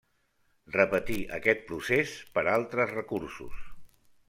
Repetir aquest procés per altres recursos.